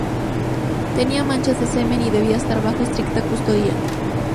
Tenía manchas de semen y debía estar bajo estricta custodia.